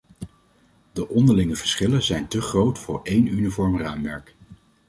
De onderlinge verschillen zijn te groot voor één uniform raamwerk.